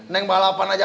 neng balapan aja